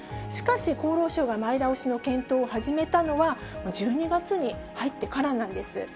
しかし、厚労省は前倒しの検討を始めたのは、１２月に入ってからなんです。